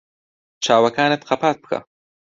چاوەکانت قەپات بکە.